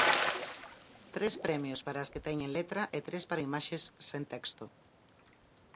Tres premios para as que teñen letra e tres para imaxes sen texto.